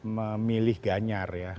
memilih ganjar ya